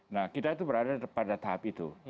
nah kita itu berada pada tahap itu